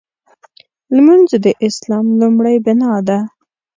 لمونځ د اسلام لومړۍ بناء ده.